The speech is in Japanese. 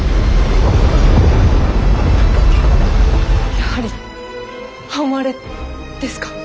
やはり半割れですか？